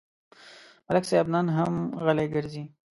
ملک صاحب نن هم غلی ګرځي.